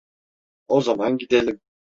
O zaman gidelim.